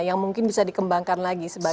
yang mungkin bisa dikembangkan lagi